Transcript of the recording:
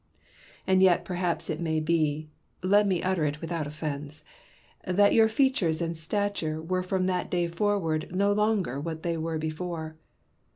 And yet perhaps it may be — let me utter it without offence — that your features and stature were from that day forward no longer what they were before.